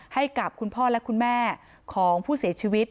ให้กับคุณพ่อและคุณแม่ของผู้เสียชีวิต